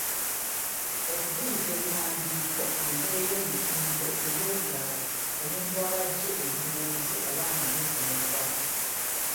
Okujuliza ebiwandiiko, y’engeri eyoomutindo ey’okulaga omuntu w'aba aggye ebirowoozo oba amagezi n'obubaka.